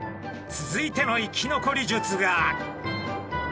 続いての生き残り術が。